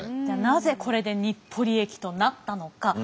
じゃあなぜこれで日暮里駅となったのか。